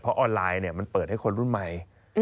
เพราะออนไลน์มันเปิดให้คนรุ่นใหม่